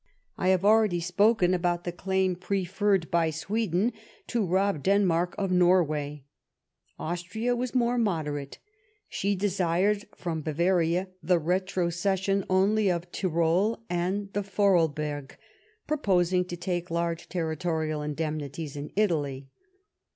I have already spoken about the claim preferred by Sweden to rob Denmark of Norway. Austria was more moderate. She desired from Bavaria the retrocession only of Tirol and the Voralberg, proposing to take large territorial indemnities in Italy.